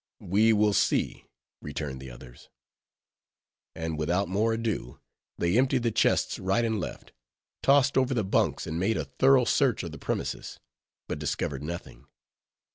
"We will see," returned the others. And without more ado, they emptied the chests right and left; tossed over the bunks and made a thorough search of the premises; but discovered nothing.